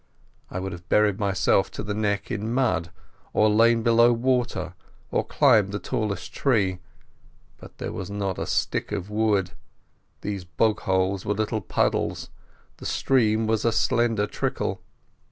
I would have buried myself to the neck in mud or lain below water or climbed the tallest tree. But there was not a stick of wood, the bog holes were little puddles, the stream was a slender trickle.